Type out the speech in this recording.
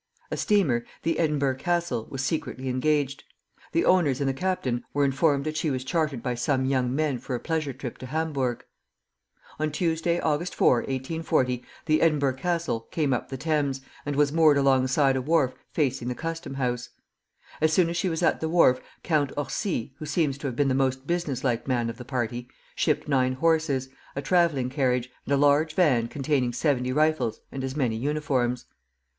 A steamer, the "Edinburgh Castle," was secretly engaged. The owners and the captain were informed that she was chartered by some young men for a pleasure trip to Hamburg. On Tuesday, Aug. 4, 1840, the "Edinburgh Castle" came up the Thames, and was moored alongside a wharf facing the custom house. As soon as she was at the wharf, Count Orsi, who seems to have been the most business like man of the party, shipped nine horses, a travelling carriage, and a large van containing seventy rifles and as many uniforms.